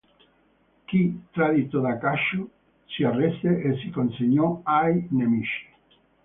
Qui, tradito da Acacio, si arrese e si consegnò ai nemici.